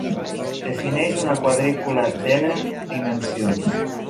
Defineix una quadrícula d'"n" dimensions.